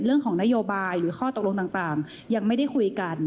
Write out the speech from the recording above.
เรื่องของนโยบายหรือข้อตกลงต่างยังไม่ได้คุยกัน